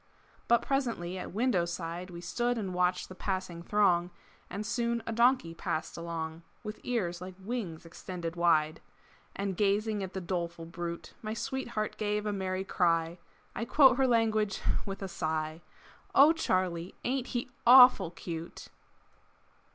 But presently at window side We stood and watched the passing throng, And soon a donkey passed along With ears like wings extended wide. And gazing at the doleful brute My sweetheart gave a merry cry I quote her language with a sigh "O Charlie, ain't he awful cute?"